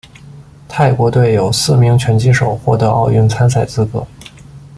泰国队有四名拳击手获得奥运参赛资格。